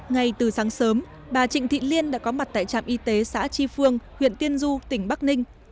ngay từ sáng sớm bà trịnh thị liên đã có mặt tại trạm y tế xã tri phương huyện tiên du tỉnh bắc ninh